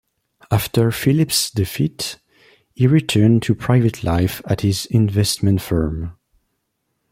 After Phillips' defeat, he returned to private life at his investment firm.